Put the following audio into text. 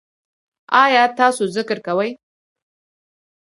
ایا تاسو ذکر کوئ؟